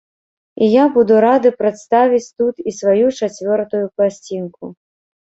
І я буду рады прадставіць тут і сваю чацвёртую пласцінку.